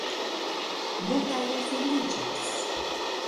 Multaj ofendiĝas.